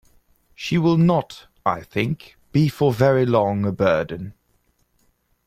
She will not, I think, be for very long a burden.